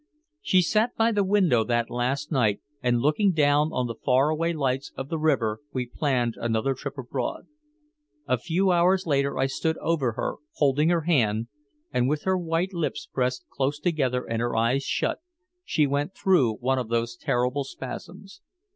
She sat by the window that last night, and looking down on the far away lights of the river we planned another trip abroad. A few hours later I stood over her, holding her hand, and with her white lips pressed close together and her eyes shut, she went through one of those terrible spasms.